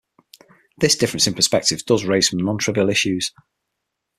This difference in perspectives does raise some nontrivial issues.